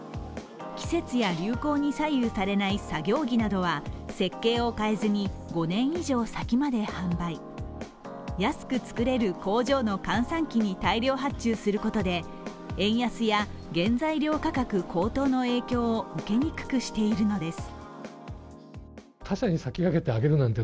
季節や流行に左右されない作業着などは設計を変えずに５年以上先まで販売安く作れる工場の閑散期に大量発注することで、円安や原材料価格高騰の影響を受けにくくしているのです。